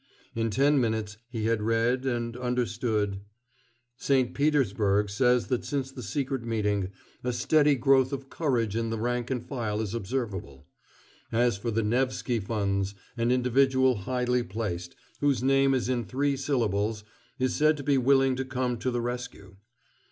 In ten minutes he had read and understood.... St. Petersburg says that since the secret meeting, a steady growth of courage in the rank and file is observable. As for the Nevski funds, an individual highly placed, whose name is in three syllables, is said to be willing to come to the rescue.